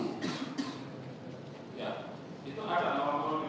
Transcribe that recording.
ya itu ada dalam hal ini